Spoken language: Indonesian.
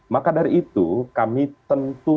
maka dari itu kami tentu